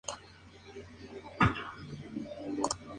Se crio en Lisboa donde estudió.